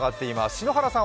篠原さん。